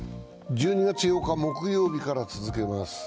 １２月８日木曜日から続けます。